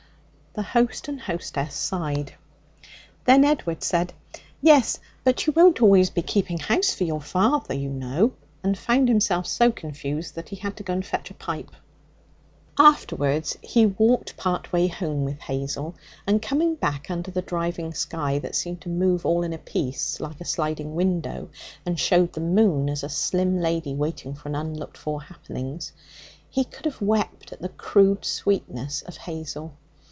The host and hostess sighed. Then Edward said: 'Yes, but you won't always be keeping house for your father, you know,' and found himself so confused that he had to go and fetch a pipe. Afterwards he walked part way home with Hazel, and coming back under the driving sky that seemed to move all in a piece like a sliding window, and showed the moon as a slim lady waiting for unlooked for happenings he could have wept at the crude sweetness of Hazel.